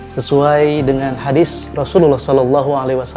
sesuai dengan hadis rasulullah saw